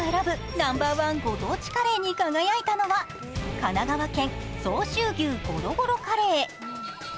ナンバーワンご当地カレーに輝いたのは神奈川県、相州牛ゴロゴロカレー。